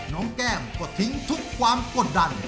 แก้มก็ทิ้งทุกความกดดัน